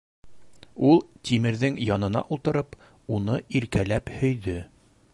Ул, Тимерҙең янына ултырып, уны иркәләп һөйҙө.